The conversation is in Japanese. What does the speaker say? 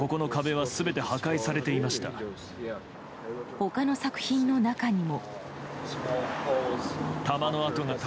他の作品の中にも。